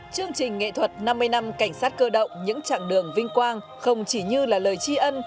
chương trình nghệ thuật năm mươi năm cảnh sát cơ động những trạng đường vinh quang không chỉ như là lời tri ân